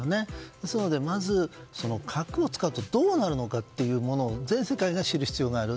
ですので、まず核を使うのかどうなるのかというものを全世界が知る必要がある。